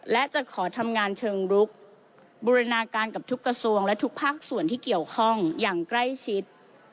และจะขอทำงานเชิงรุกบูรณาการกับทุกกระทรวงและทุกภาคส่วนที่เกี่ยวข้องอย่างใกล้ชิด